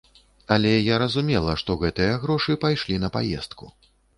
Але я разумела, што гэтыя грошы пайшлі на паездку.